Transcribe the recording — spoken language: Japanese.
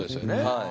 はい。